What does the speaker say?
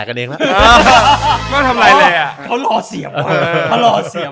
เขารอเสี่ยงว่ะ